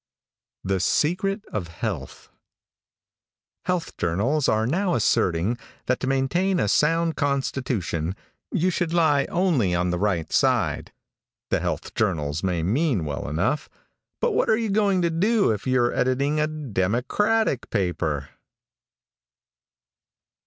THE SECRET OF HEALTH. |HEALTH journals are now asserting, that to maintain a sound constitution you should lie only on the right side. The health journals may mean well enough; but what are you going to do if you are editing a Democratic paper?